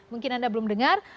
mungkin anda belum dengar